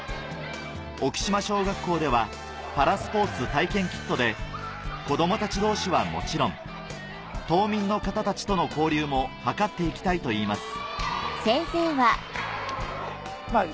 沖島小学校ではパラスポーツ体験キットで子どもたち同士はもちろん島民の方たちとの交流も図っていきたいといいます